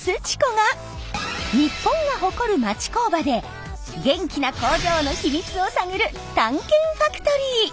ち子が日本が誇る町工場で元気な工場の秘密を探る「探検ファクトリー」。